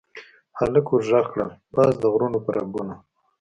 هلک ور ږغ کړل، پاس د غرونو په رګونو کې